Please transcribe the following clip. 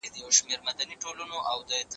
زه اوږده وخت د ښوونځي کتابونه مطالعه کوم،